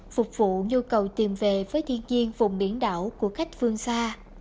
phục vụ nhu cầu tìm về với thiên nhiên vùng biển đảo của khách phương xa